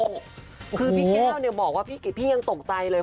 คือพี่แก้วเนี่ยบอกว่าพี่ยังตกใจเลย